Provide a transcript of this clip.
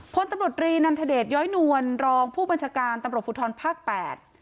พตเรนนัทศเดชย้อยนวลรองผู้บัญชาการตภูทรภาครับ๘